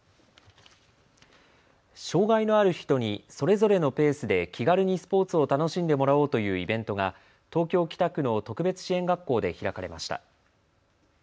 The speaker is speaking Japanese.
障害のある人にそれぞれのペースで気軽にスポーツを楽しんでもらおうというイベントが東京北区の特別支援学校で開かれました。